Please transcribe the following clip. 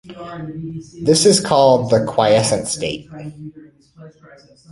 This is called the "quiescent" state.